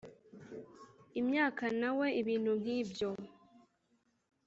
Imyaka na we ibintu nk ibyo